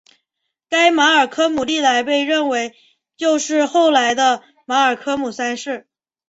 该马尔科姆历来被认为就是后来的马尔科姆三世。